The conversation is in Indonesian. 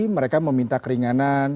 mereka meminta keringanan